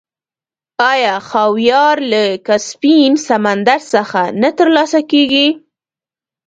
آیا خاویار له کسپین سمندر څخه نه ترلاسه کیږي؟